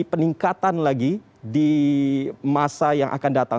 jadi peningkatan lagi di masa yang akan datang